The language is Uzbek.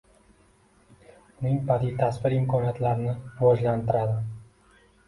Uning badiiy tasvir imkoniyatlarini rivojlantiradi